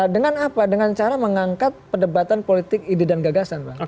dengan apa dengan cara mengangkat perdebatan politik ide dan gagasan bang